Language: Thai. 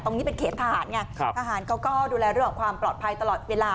ตรงนี้เป็นเขตทหารไงทหารเขาก็ดูแลเรื่องของความปลอดภัยตลอดเวลา